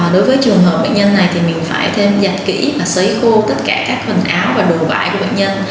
đối với trường hợp bệnh nhân này thì mình phải thêm dạch kỹ và xấy khô tất cả các khuẩn áo và đồ vải của bệnh nhân